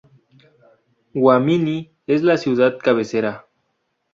Guaminí es la ciudad cabecera.